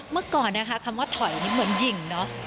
เมื่อก่อนนะคะคำว่าถอยนี่เหมือนหญิงเนอะ